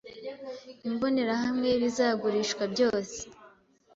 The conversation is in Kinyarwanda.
imbonerahamwe y’ibizagurishwa byose